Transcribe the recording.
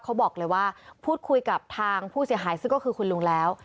เขาบอกเลยว่าพูดคุยกับทางผู้เสียหายซึ่งก็คือคุณลุงแล้ว